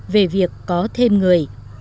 về việc có thêm người